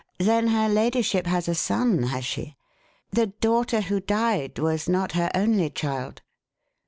Then her ladyship has a son, has she? The daughter who died was not her only child?"